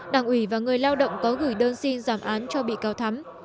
đảng ủy và người lao động có gửi đơn xin giảm án cho bị cáo thắm